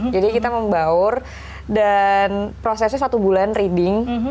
jadi kita membaur dan prosesnya satu bulan reading